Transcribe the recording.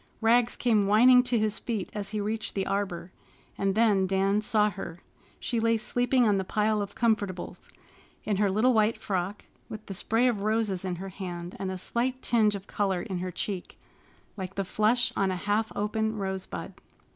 Rags came whining to his feet as he reached the arbor. And then Dan saw her. She lay sleeping on the pile of comfortables, in her little white frock, with the spray of roses in her hand and a slight tinge of color in her cheek, like the flush on a half open rosebud.